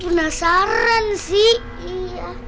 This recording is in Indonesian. ada suara kresek kresek